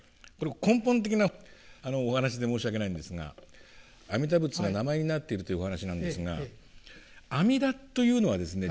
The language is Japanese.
根本的なお話で申し訳ないんですが阿弥陀仏が名前になっているというお話なんですが「阿弥陀」というのはですね